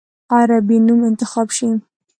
عربي نوم انتخاب شي.